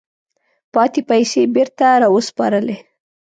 پاتې پیسې یې بیرته را وسپارلې.